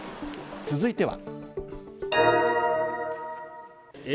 続いては。